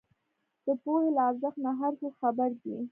د پوهې له ارزښت نۀ هر څوک خبر دی